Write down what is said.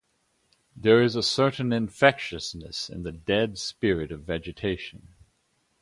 There is a certain infectiousness in the dead spirit of vegetation.